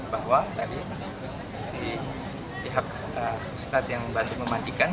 bahwa tadi si pihak ustadz yang bantu memandikan